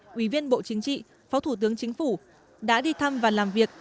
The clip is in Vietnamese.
quý viên bộ chính trị phó thủ tướng chính phủ đã đi thăm và làm việc